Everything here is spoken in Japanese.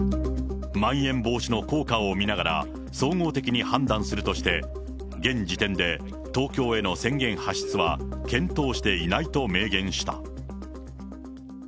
まん延防止の効果を見ながら、総合的に判断するとして、現時点で東京への宣言発出は検討していないと明言した。